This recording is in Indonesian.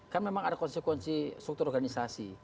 kan memang ada konsekuensi struktur organisasi